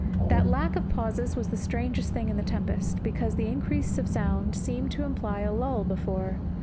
That lack of pauses was the strangest thing in the tempest, because the increase of sound seemed to imply a lull before.